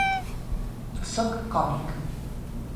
Sóc còmic.